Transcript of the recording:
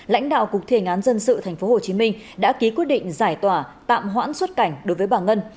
lãnh đạo cục thi hành án dân sự tp hcm đã ký quyết định giải tỏa tạm hoãn xuất cảnh đối với bà ngân